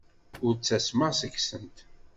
Ur ttasmeɣ seg-sent.